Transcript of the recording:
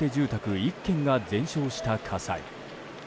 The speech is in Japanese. １軒が全焼した火災。